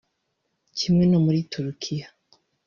Kimwe no muri Turukiya